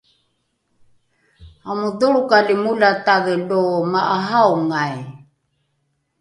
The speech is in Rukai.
amodholrokali molatadhe lo ma’ahaongai?